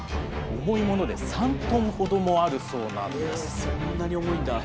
重いもので３トンほどもあるそうなんです。